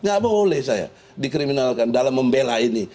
nggak boleh saya dikriminalkan dalam membela ini